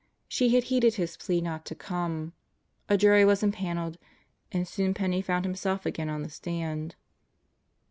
She had heeded his plea not to come. A jury was impaneled and soon Penney found himself again on the stand.